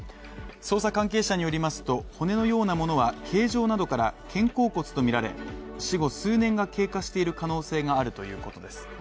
捜査関係者によりますと、骨のようなものは、形状などから肩甲骨とみられ、死後数年が経過している可能性があるということです。